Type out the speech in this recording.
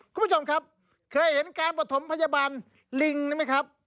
คุณผู้ชมครับเคยเห็นการประถมพยาบาลลิงนี่ไหมครับ